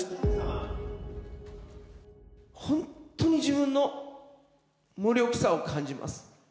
本当に自分の無力さを感じます。